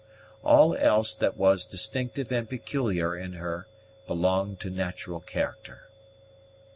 All else that was distinctive and peculiar in her belonged to natural character.